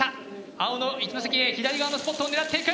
青の一関Ａ左側のスポットを狙っていく。